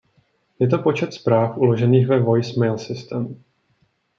Je to počet zpráv uložených ve Voice Mail System.